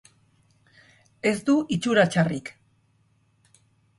Ez du itxura txarrik.